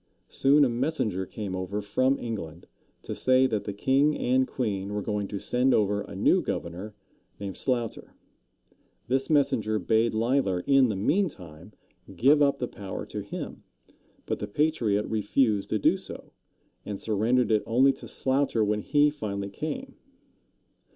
Soon a messenger came over from England, to say that the king and queen were going to send over a new governor, named Sloughter. This messenger bade Leisler, in the meantime, give up the power to him; but the patriot refused to do so, and surrendered it only to Sloughter when he finally came.